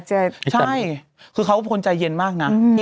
ใช่คือเขาเป็นคนใจเย็นมากนะ